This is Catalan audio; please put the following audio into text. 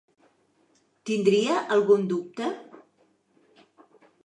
Tindria algun dubte?